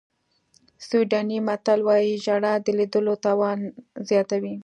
سویډني متل وایي ژړا د لیدلو توان زیاتوي.